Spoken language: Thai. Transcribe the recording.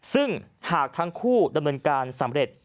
ซึ่งหากทั้งคู่ดำเนินการสำเร็จ